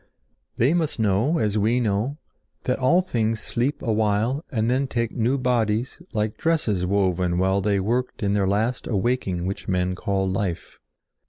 "They must know, as we know, that all things sleep awhile and then take new bodies like dresses woven while they worked in their last awaking which men call life.